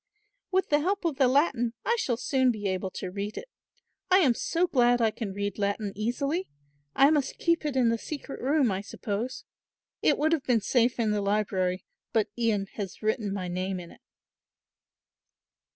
"With the help of the Latin I shall soon be able to read it. I am so glad I can read Latin easily. I must keep it in the secret room, I suppose. It would have been safe in the library; but Ian has written my name in it."